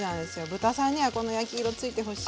豚さんにはこの焼き色ついてほしい。